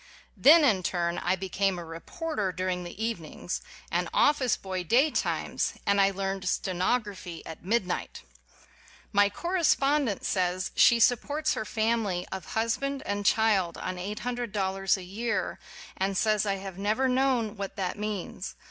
Then, in turn, I became a reporter 10 WHY I BELIEVE IN POVERTY during the evenings, an office boy day times, and learned stenography at mid night! My correspondent says she supports her family of husband and child on eight hundred dollars a year, and says I have never known what that means.